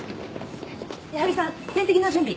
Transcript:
矢作さん点滴の準備